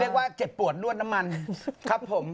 เรียกว่าเจ็บปวดนวดน้ำมันครับผม